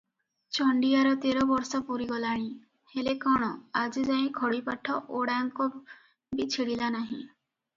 ଚଣ୍ଡିଆର ତେର ବର୍ଷ ପୂରିଗଲାଣି, ହେଲେ କଣ, ଆଜିଯାଏ ଖଡ଼ିପାଠ ଓଡ଼ାଙ୍କ ବି ଛିଡ଼ିଲା ନାହିଁ ।